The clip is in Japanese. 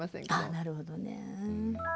なるほどね。